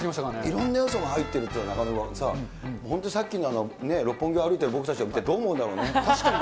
いろんな要素が入っているって、中丸君さ、本当にさっきの六本木を歩いている僕たちを見てどう思うんだろう確かに。